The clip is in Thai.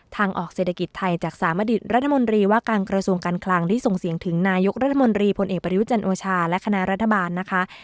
ทางออกเศรษฐกิจไทยจากสามดิตรัฐมนตรีว่าการกระทรวงการคลังได้ส่งเสียงถึงนายกรัฐมนตรีพลเอกประยุจันทร์โอชาและคณะรัฐบาลนะคะ